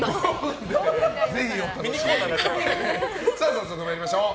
早速、参りましょう。